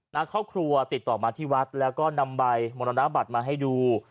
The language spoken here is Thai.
นักครอบครัวติดต่อมาที่วัดแล้วก็นำใบมรณบัตรมาให้ดู